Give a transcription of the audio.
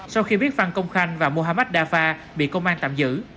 sau khi biết phan công khanh và mohammad dafa bị công an tạm giữ